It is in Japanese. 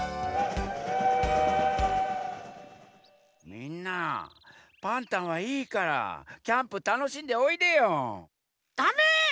みんなパンタンはいいからキャンプたのしんでおいでよ！だめ！